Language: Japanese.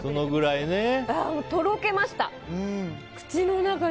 とろけました。